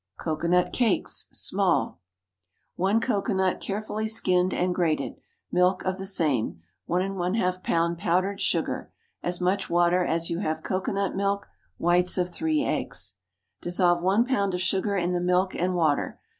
COCOANUT CAKES (Small.) 1 cocoanut, carefully skinned and grated. Milk of the same. 1½ lb. powdered sugar. As much water as you have cocoanut milk. Whites of three eggs. Dissolve one pound of sugar in the milk and water.